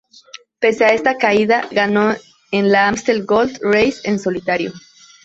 Pese a esta caída ganó en la Amstel Gold Race en solitario.